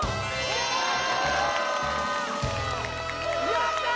やったー！